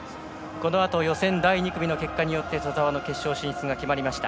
このあと予選第２組の結果によって兎澤の決勝進出が決まりました。